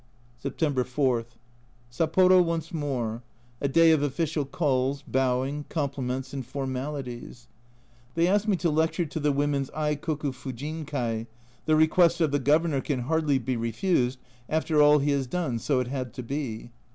September 4. Sapporo once more. A day of official calls, bowing, compliments and formalities. They asked me to lecture to the women's Aikoku fujin kai : the request of the Governor can hardly be refused after all he has done, so it had to be.